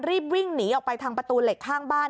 รีบวิ่งหนีออกไปทางประตูเหล็กข้างบ้าน